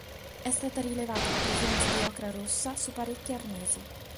È stata rilevata la presenza di ocra rossa su parecchi arnesi.